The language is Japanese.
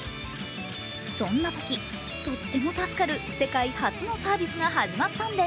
そんなとき、とっても助かる世界初のサービスが始まったんです。